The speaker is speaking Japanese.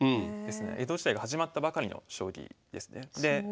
江戸時代が始まったばかりの将棋ですね。